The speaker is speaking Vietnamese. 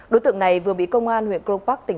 đối tượng này vừa bị công an huyện cron park tỉnh